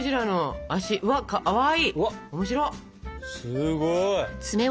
すごい！